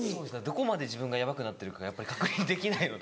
どこまで自分がヤバくなってるかやっぱり確認できないので。